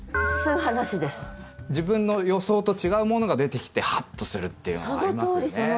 自分の予想と違うものが出てきてハッとするっていうのがありますよね。